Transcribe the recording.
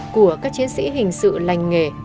của các chiến sĩ hình sự lành nghề